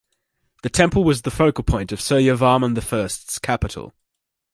The temple was the focal point of Suryavarman the First's capital.